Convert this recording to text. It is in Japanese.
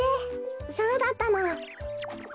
そうだったの。